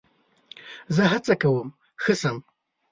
زه هڅه کوم ښه شم.